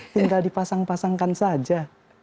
tidak dipasang pasangkan saja